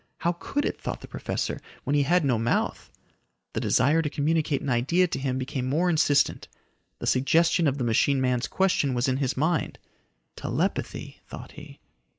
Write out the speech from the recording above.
How could it, thought the professor, when he had no mouth. The desire to communicate an idea to him became more insistent. The suggestion of the machine man's question was in his mind. Telepathy, thought he.